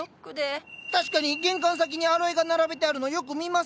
確かに玄関先にアロエが並べてあるのよく見ますね。